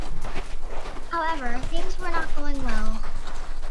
However, things were not going well.